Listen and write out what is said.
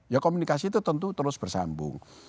ya komunikasi itu tentu terus bersambung